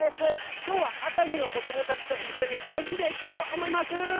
今日は熱海の子どもたちと一緒に楽しんでいきたいと思います。